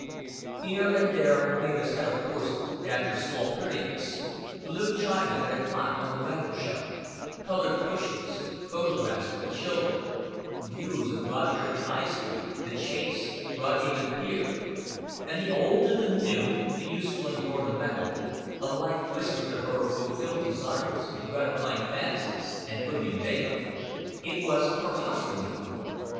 Here and there Mavis had of course dabbed her small prettinesses blue china and a clock on the mantel shelf, colored cushions, photographs of the children, views of Rodchurch High Street, the Chase, Rodhaven Pier; and the old and the new, the useful and the ornamental, alike whispered to her of fulfilled desires, gratified fancies, and William Dale. It was her husband's room.